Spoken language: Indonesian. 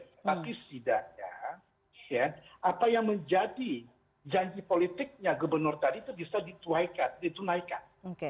tapi setidaknya apa yang menjadi janji politiknya gubernur tadi itu bisa dituaikan ditunaikan